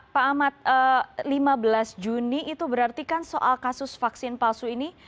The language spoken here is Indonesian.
pak ahmad lima belas juni itu berarti kan soal kasus vaksin palsu ini